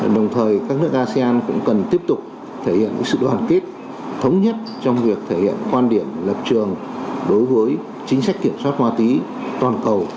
đồng thời các nước asean cũng cần tiếp tục thể hiện sự đoàn kết thống nhất trong việc thể hiện quan điểm lập trường đối với chính sách kiểm soát ma túy toàn cầu